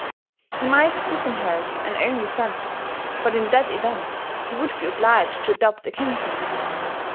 He might disinherit an only son; but in that event he would be obliged to adopt a kinsman.